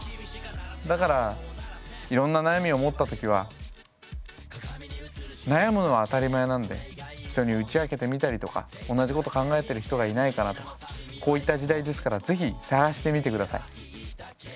だからいろんな悩みを持ったときは悩むのは当たり前なんで人に打ち明けてみたりとか同じこと考えてる人がいないかなとかこういった時代ですから是非探してみてください。